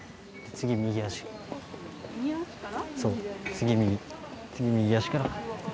次右足から。